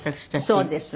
そうです。